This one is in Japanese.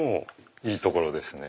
いいところですね。